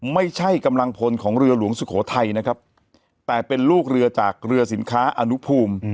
ไม่ใช่กำลังพลของเรือหลวงสุโขทัยนะครับแต่เป็นลูกเรือจากเรือสินค้าอนุภูมิ